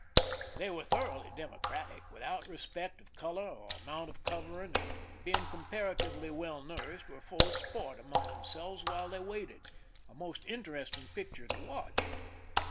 They were thoroughly democratic, without respect of color or amount of covering, and being comparatively well nourished, were full of sport among themselves while they waited— a most interesting picture to watch.